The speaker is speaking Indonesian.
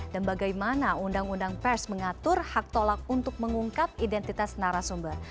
dan bagaimana undang undang pers mengatur hak tolak untuk mengungkap identitas narasumber